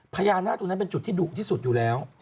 พญานาคตรงนั้นเป็นจุดที่ดุที่สุดอยู่แล้ว